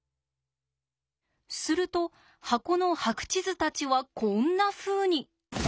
すると箱の白地図たちはこんなふうに。